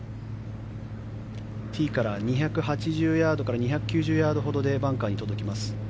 ティーから２８０ヤードから２９０ヤードほどでバンカーに届きます。